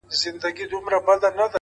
هره ورځ د نوې هیلې پیل دی،